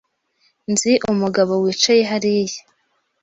Nzi umugabo wicaye hariya.